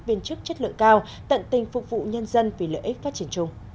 viên chức chất lượng cao tận tình phục vụ nhân dân vì lợi ích phát triển chung